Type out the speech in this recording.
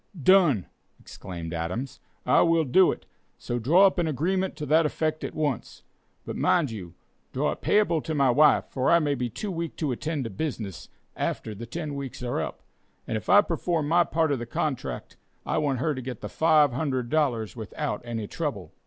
"Done!" exclaimed Adams, "I will do it, so draw up an agreement to that effect at once. But mind you, draw it payable to my wife, for I may be too weak to attend to business after the ten weeks are up, and if I perform my part of the contract, I want her to get the $500 without any trouble."